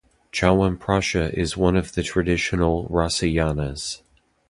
Chyawanprasha is one of the traditional rasayanas.